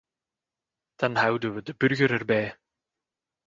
Dan houden we de burger erbij.